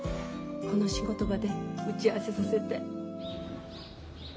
この仕事場で打ち合わせさせて。